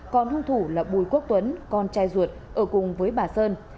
con thung thủ là bùi quốc tuấn con trai ruột ở cùng với bà sơn